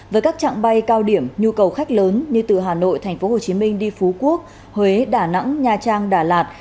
với các trạng bay cao điểm nhu cầu khách lớn như từ hà nội tp hcm đi phú quốc huế đà nẵng nha trang đà lạt